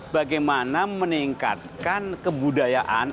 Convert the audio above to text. bagaimana meningkatkan kebudayaan